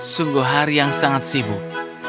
sungguh hari yang sangat sibuk